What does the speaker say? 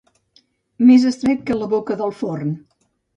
Més estret que la boca del forn.